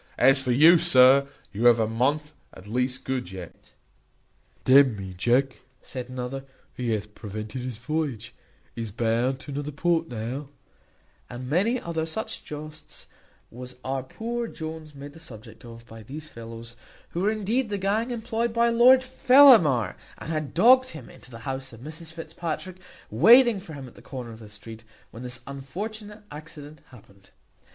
As for you, sir, you have a month at least good yet." "D n me, Jack," said another, "he hath prevented his voyage; he's bound to another port now;" and many other such jests was our poor Jones made the subject of by these fellows, who were indeed the gang employed by Lord Fellamar, and had dogged him into the house of Mrs Fitzpatrick, waiting for him at the corner of the street when this unfortunate accident happened.